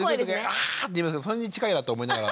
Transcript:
「アァッ！」って言いますけどそれに近いなって思いながら。